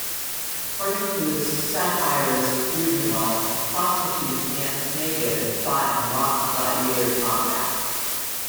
According to the satirist Juvenal, prostitutes danced naked and fought in mock gladiator combat.